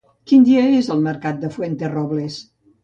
Quin dia és el mercat de Fuenterrobles?